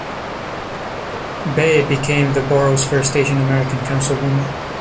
Bae became the borough's first Asian-American councilwoman.